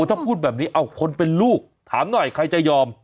ถ้าพูดแบบนี้เอาคนเป็นลูกถามหน่อยใครจะยอม